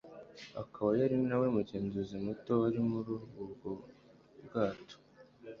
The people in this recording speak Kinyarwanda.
akaba yari nawe mugenzi muto wari muri ubu bwato.